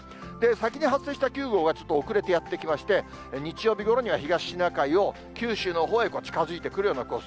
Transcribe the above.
先に発生した９号はちょっと遅れてやって来まして、日曜日ごろには東シナ海を九州のほうへ近づいてくるようなコース。